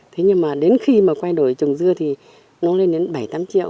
thế nhưng mà đến khi mà quay đổi trồng dưa thì nó lên đến bảy tám triệu